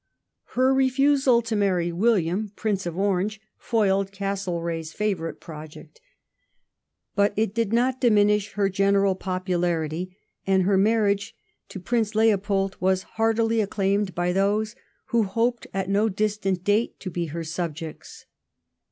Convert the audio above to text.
Her refusal to marry William, Prince of Orange, foiled Castlereagh's favourite project ; but it did not diminish her general popularity, and her mamage to Prince Leopold was heartily acclaimed by those who hoped at no distant date to be her subjects.